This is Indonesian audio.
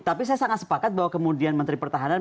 tapi saya sangat sepakat bahwa kemudian menteri pertahanan